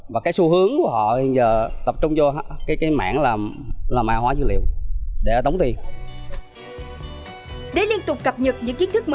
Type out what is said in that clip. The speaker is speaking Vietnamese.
và cái xu hướng của họ hiện giờ tập trung vô cái mảng là mạng hóa dữ liệu để tống tiền